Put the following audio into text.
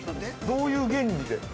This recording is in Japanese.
◆どういう原理で。